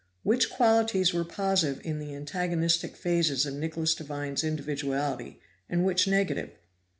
Which qualities were positive in the antagonistic phases of Nicholas Devine's individuality, and which negative?